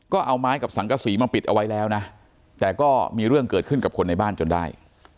ก็เอาไม้กับสังกษีมาปิดเอาไว้แล้วนะแต่ก็มีเรื่องเกิดขึ้นกับคนในบ้านจนได้